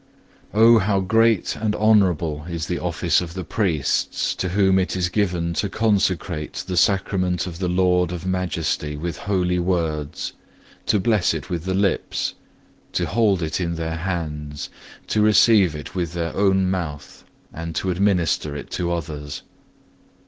6. Oh how great and honourable is the office of the priests, to whom it is given to consecrate the Sacrament of the Lord of majesty with holy words, to bless it with the lips, to hold it in their hands, to receive it with their own mouth, and to administer it to others!